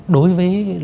đối với lãnh đạo